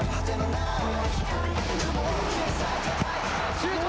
シュート。